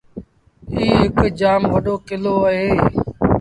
ايٚ هَڪ جآم وڏو ڪلو اهي۔